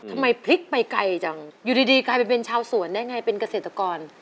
ทำไมพลิกไปไกลจังอยู่ดีกลายเป็นชาวสวนได้ไงเป็นเกษตรกร